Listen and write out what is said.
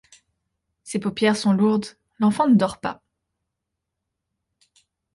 Ses paupières sont lourdes, l'enfant ne dort pas.